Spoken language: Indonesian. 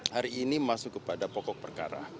hari ini masuk kepada pokok perkara